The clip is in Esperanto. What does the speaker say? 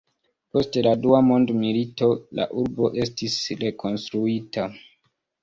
Post la dua mondmilito, la urbo estis rekonstruita.